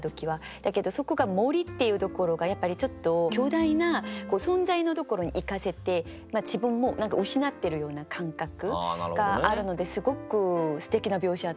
だけどそこが森っていうところがやっぱりちょっと巨大な存在のところにいかせて自分も何か失ってるような感覚があるのですごくすてきな描写だなって思いました。